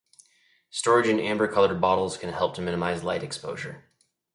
Storage in amber-colored bottles can help to minimize light exposure.